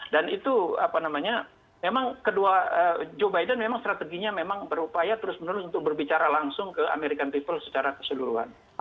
dan itu apa namanya joe biden memang strateginya berupaya terus menerus untuk berbicara langsung ke american people secara keseluruhan